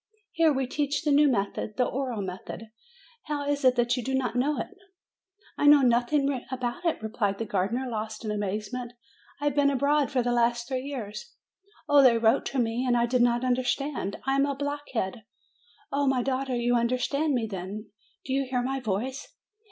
Here we teach the new method, the oral method. How is it that you did not know it?" "I knew nothing about it!" replied the gardener, lost in amazement. "I have been abroad for the last three years. Oh, they wrote to me, and I did not understand. I am a blockhead. Oh, my daughter, you understand me, then? Do you hear my voice?